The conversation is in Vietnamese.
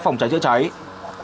phòng cháy cháy cơ sở